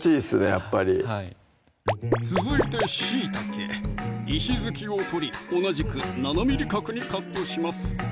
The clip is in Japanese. やっぱりはい続いてしいたけ石突きを取り同じく７ｍｍ角にカットします